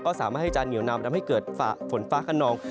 ก็สามารถให้จะเหนียวนำทำให้เกิดฝนฟ้าขนอง